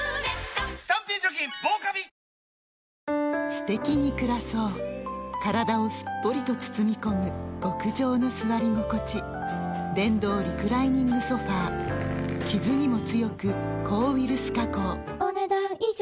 すてきに暮らそう体をすっぽりと包み込む極上の座り心地電動リクライニングソファ傷にも強く抗ウイルス加工お、ねだん以上。